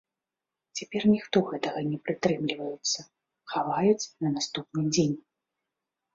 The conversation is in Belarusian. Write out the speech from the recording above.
Цяпер ніхто гэтага не прытрымліваюцца, хаваюць на наступны дзень.